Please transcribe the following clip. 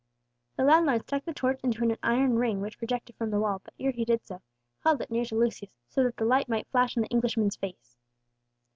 The landlord stuck the torch into an iron ring which projected from the wall, but ere he did so, held it near to Lucius, so that the light might flash on the Englishman's face.